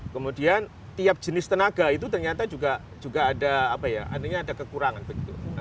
kemudian tiap jenis tenaga itu ternyata juga ada apa ya artinya ada kekurangan begitu